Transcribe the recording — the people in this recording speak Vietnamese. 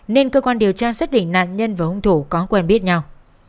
nên cơ quan điều tra xác định nạn nhân và hung thủ có quen biết nhau